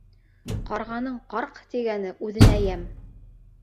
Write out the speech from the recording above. Ҡарғаның «ҡарҡ» тигәне үҙенә йәм.